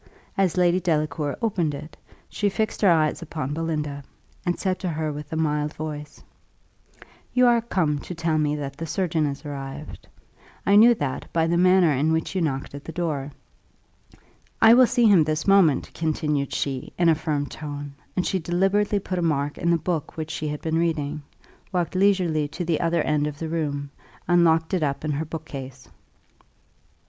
As Lady Delacour opened it, she fixed her eyes upon Belinda, and said to her with a mild voice, "You are come to tell me that the surgeon is arrived. I knew that by the manner in which you knocked at the door. I will see him this moment," continued she, in a firm tone; and she deliberately put a mark in the book which she had been reading, walked leisurely to the other end of the room, and locked it up in her book case.